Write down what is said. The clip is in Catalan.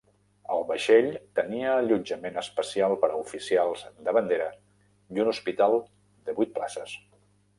El vaixell tenia allotjament especial per a oficials de bandera i un hospital de vuit places.